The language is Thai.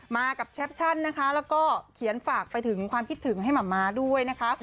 มากับแคปชั่นนะคะแล้วก็เขียนฝากไปถึงความคิดถึงให้หม่ำม้าด้วยนะคะ